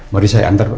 mari saya antar pak